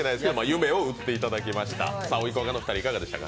夢を売っていただきました。